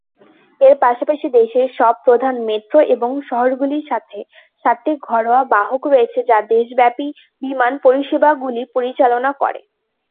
এর পাশাপাশি, দেশের সব প্রধান মেট্রো এবং শহরগুলির সাথে সাতটি ঘরোয়া বাহক রয়েছে যা দেশব্যাপী বিমান পরিষেবাগুলি পরিচালনা করে।